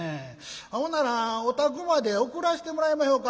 ほならお宅まで送らせてもらいまひょか」。